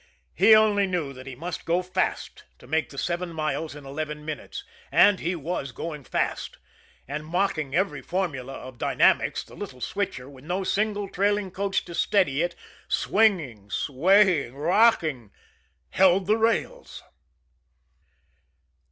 He only knew that he must go fast to make the seven miles in eleven minutes and he was going fast. And, mocking every formula of dynamics, the little switcher, with no single trailing coach to steady it, swinging, swaying, rocking, held the rails.